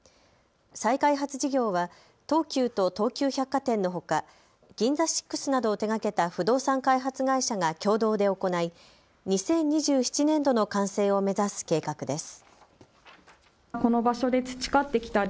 再開発事業は東急と東急百貨店のほかＧＩＮＺＡＳＩＸなどを手がけた不動産開発会社が共同で行い２０２７年度の完成を目指す計画です。